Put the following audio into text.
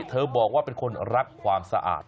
เธอบอกว่าเป็นคนรักความสะอาด